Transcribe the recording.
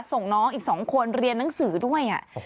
ส่งน้องอีก๒คนเรียนหนังสือด้วย